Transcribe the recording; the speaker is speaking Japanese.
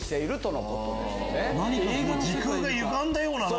時空がゆがんだような。